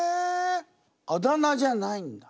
あだ名じゃないんだ。